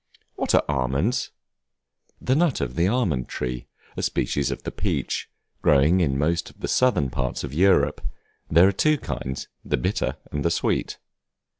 What are Almonds? The nut of the Almond Tree, a species of the peach, growing in most of the southern parts of Europe; there are two kinds, the bitter and the sweet.